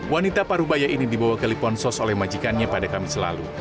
wanita parubaya ini dibawa ke liponsos oleh majikannya pada kamis lalu